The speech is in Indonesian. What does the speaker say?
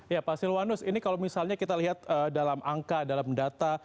ya pak silwanus ini kalau misalnya kita lihat dalam angka dalam data